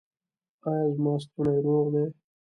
ایا زما ستونی روغ دی؟